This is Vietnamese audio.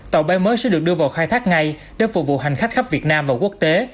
tàu bay mới sẽ được đưa vào khai thác ngay để phục vụ hành khách khắp việt nam và quốc tế